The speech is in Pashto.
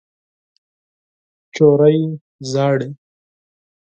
ماشوم ژاړي.